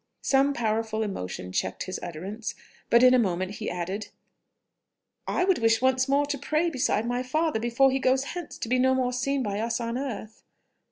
Some powerful emotion checked his utterance; but in a moment he added, "I would wish once more to pray beside my father before he goes hence to be no more seen by us on earth."